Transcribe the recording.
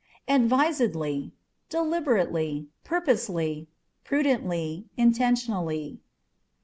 Advisedlyâ€" deliberately, purposely, prudently, intentionally.